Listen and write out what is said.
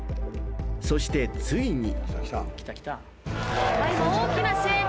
［そしてついに］